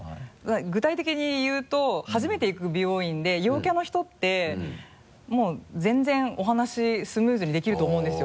具体的に言うと初めて行く美容院で陽キャの人ってもう全然お話スムーズにできると思うんですよ。